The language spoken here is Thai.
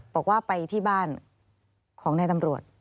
บอกว่าไปที่บ้านของนายตำรวจ